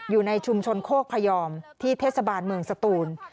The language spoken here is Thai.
อยู่ในชุมชนโคกพยอมที่เทศบาลเมืองสตูน